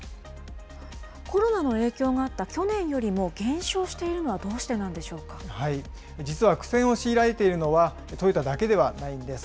コロナの影響があった去年よりも減少しているのはどうしてな実は、苦戦を強いられているのはトヨタだけではないんです。